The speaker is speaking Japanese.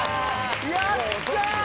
やった！